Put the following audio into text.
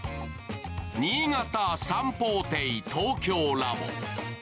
新潟三宝亭東京ラボ。